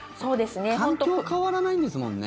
環境が変わらないんですもんね。